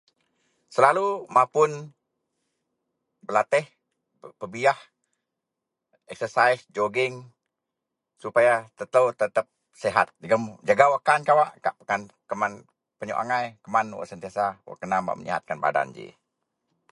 Selalu mapun belateh, pebiyaih, eksasais, jogging supaya telou tetep sihat jegem jaga wakkan kawak. Kak keman penyok angai. Keman wak sentiasa wak kena menyihat badan ji.